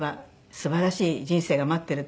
素晴らしい人生が待ってるって